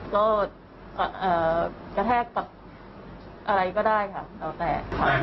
ก็กระแทกกับอะไรก็ได้ค่ะแล้วแต่